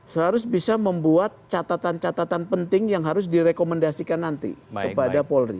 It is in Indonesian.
seharusnya bisa membuat catatan catatan penting yang harus direkomendasikan nanti kepada polri